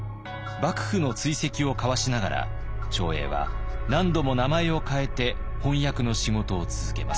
幕府の追跡をかわしながら長英は何度も名前を変えて翻訳の仕事を続けます。